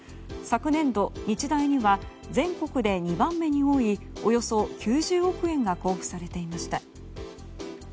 昨年度、日大には全国で２番目に多いおよそ９０億円が交付されていました。